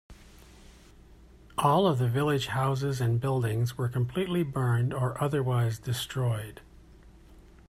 All of the village houses and buildings were completely burned or otherwise destroyed.